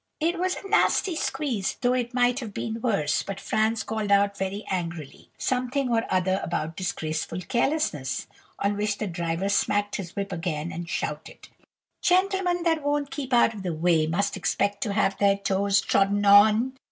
"It was a nasty squeeze, though it might have been worse, but Franz called out very angrily, something or other about 'disgraceful carelessness,' on which the driver smacked his whip again, and shouted:— "'Gentlemen that won't keep out of the way, must expect to have their toes trodden on.